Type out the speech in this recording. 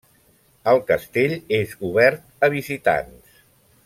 El castell és obert a visitants.